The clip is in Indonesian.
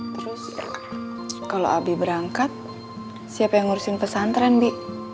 terus kalau abi berangkat siapa yang ngurusin pesantren bi